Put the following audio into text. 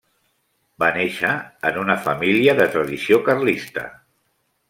Va néixer en una família de tradició carlista.